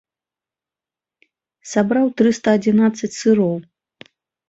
Сабраў трыста адзінаццаць сыроў.